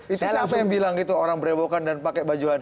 itu siapa yang bilang itu orang berewokan dan pakai bajuan